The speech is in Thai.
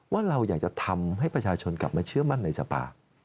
ว่าเราอยากจะทำให้ประชาชนกลับมาเชื่อมั่นในสภา